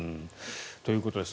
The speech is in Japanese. ということです